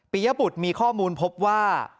ปี่ยะบุธมีข้อมูลพบว่า